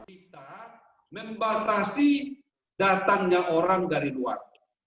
ini datangnya orang dari luar